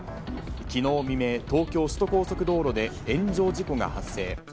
きのう未明、東京・首都高速道路で炎上事故が発生。